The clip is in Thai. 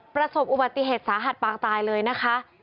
ประสบอุบัติเหตุสาหัสปางตายเลยนะคะ